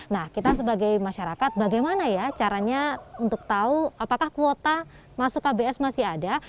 nah kita sebagai masyarakat bagaimana ya caranya untuk tahu apakah kuota masuk kbs masih ada